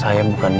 saya bukan nino